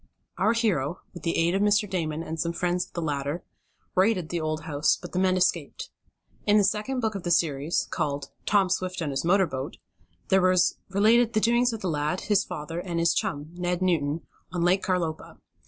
Our hero, with the aid of Mr. Damon, and some friends of the latter, raided the old house, but the men escaped. In the second book of the series, called "Tom Swift and His Motor Boat," there was related the doings of the lad, his father and his chum, Ned Newton, on Lake Carlopa.